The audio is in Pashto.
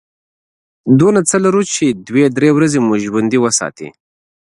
دومره څه لرو چې دوې – درې ورځې مو ژوندي وساتي.